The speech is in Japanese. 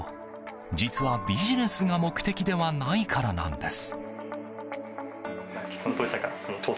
実は、ビジネスが目的ではないからなんです。